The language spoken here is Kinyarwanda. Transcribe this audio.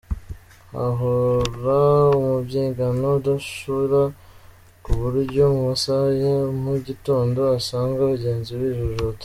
Hahora umubyigano udashira, ku buryo mu masaha ya mu gitondo usanga abagenzi bijujuta.